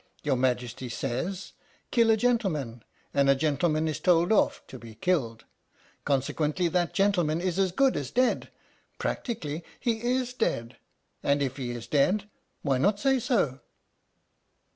Your Majesty says ' Kill a gentleman,' and a gentleman is told off to be killed conse quently that gentleman is as good as dead prac tically he is dead and if he is dead, why not say so?"